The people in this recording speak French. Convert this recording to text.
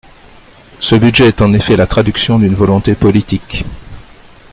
Ce budget est en effet la traduction d’une volonté politique.